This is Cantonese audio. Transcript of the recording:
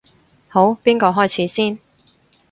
好，邊個開始先？